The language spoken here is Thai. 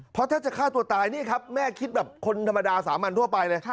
เพราะถ้าจะฆ่าตัวตายนี่ครับแม่คิดแบบคนธรรมดาสามัญทั่วไปเลย